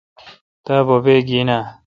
تا بوبے گین اے۔